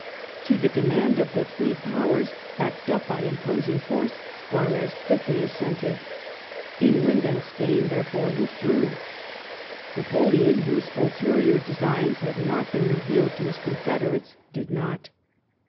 To the demand of the three Powers, backed up by im posing force, Juarez quickly assented. England and Spain, there fore, withdrew ; Napoleon, whose ulterior designs had not been revealed to his confederates, did not.